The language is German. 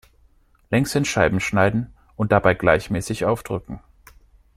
Längs in Scheiben schneiden und dabei gleichmäßig aufdrücken.